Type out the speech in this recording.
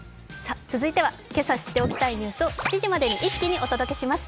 続いては、今朝知っておきたいニュースを７時までに一気にお届けします。